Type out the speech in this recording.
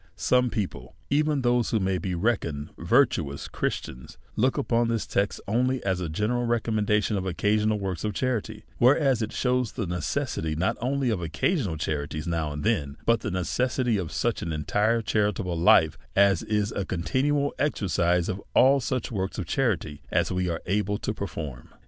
Some people, even to those who may be reckoned virtuous Christians, look upon this text only as a ge neral recommendation of occasional works of charity ; whereas it shews the necessity not only of occasional charities now and then, but the necessity of such an entire charitable life, as is a continual exercise of all &uch works of charity as we are able to j)erform.